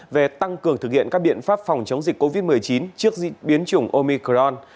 về tăng cường thực hiện các biện pháp phòng chống dịch covid một mươi chín trước diễn biến chủng omicron